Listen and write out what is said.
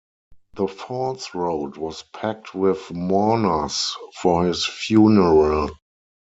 The Falls Road was packed with mourners for his funeral.